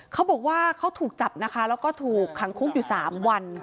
เขาบอกว่าเขาถูกจับนะคะแล้วก็ถูกขังคุกอยู่๓วัน